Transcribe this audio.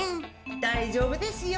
大丈夫ですよ。